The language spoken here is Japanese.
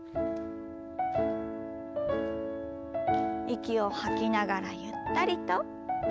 息を吐きながらゆったりと。